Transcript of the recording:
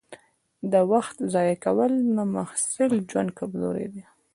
د وخت ضایع کول د محصل ژوند کمزوري ده.